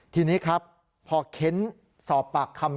ทีนี้ครับพอเค้นสอบปากคำ